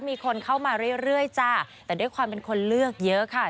มีคนเข้ามาเรื่อยจ้ะแต่ด้วยความเป็นคนเลือกเยอะค่ะ